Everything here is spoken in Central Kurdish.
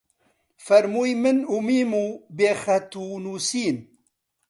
فەرمووی: من ئوممیم بێ خەت و نووسین